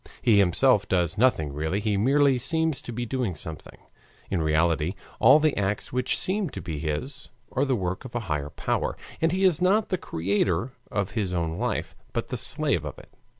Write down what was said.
He himself does nothing really, he merely seems to be doing something. In reality all the acts which seem to be his are the work of a higher power, and he is not the creator of his own life, but the slave of it.